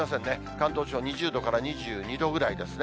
関東地方２０度から２２度ぐらいですね。